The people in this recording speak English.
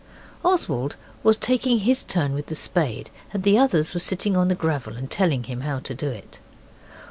Oswald was taking his turn with the spade, and the others were sitting on the gravel and telling him how to do it.